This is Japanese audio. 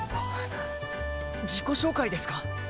自己紹介ですか？